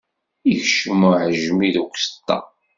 Ikcem uɛejmi deg uzeṭṭa.